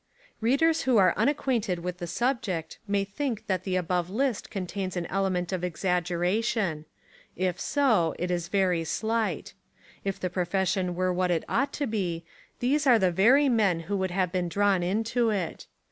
Readers who are unacquainted with the sub ject may think that the above list contains an element of exaggeration. If so it is very slight. If the profession were what it ought to be these are the very men who would have been drawn into it.